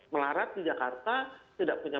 melarat di jakarta tidak punya